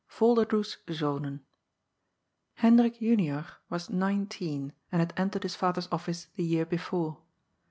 VOLDEBDOES ZOKEN. Hekdbik Junior was nineteen, and had entered his father's office the year before.